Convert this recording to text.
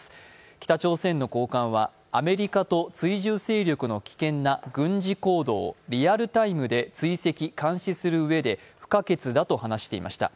北朝鮮の高官はアメリカと追従勢力の軍事行動をリアルタイムで追跡、監視するうえで不可欠だと話していました。